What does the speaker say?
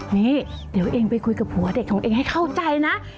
นี่เดี๋ยวเองไปคุยกับผัวเด็กของเองให้เข้าใจนะ